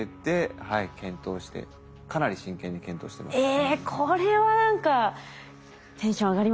えこれは何かテンション上がりますね。